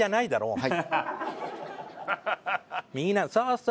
はい。